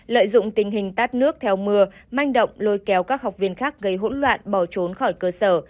lợi dụng tình hình tát nước theo mưa manh động lôi kéo các học viên khác gây hỗn loạn bỏ trốn khỏi cơ sở